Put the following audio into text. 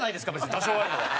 多少あるのは。